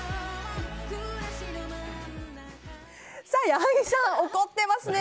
矢作さん、怒ってますね。